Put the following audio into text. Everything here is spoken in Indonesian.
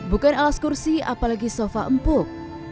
bukan alas kursi apalagi sofa empuk